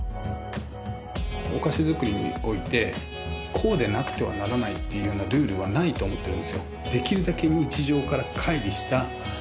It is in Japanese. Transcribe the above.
お菓子作りにおいてこうでなくてはならないっていうようなルールはないと思ってるんですよ